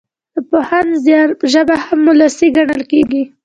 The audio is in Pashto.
د پوهاند زيار ژبه هم وولسي ګڼل کېږي.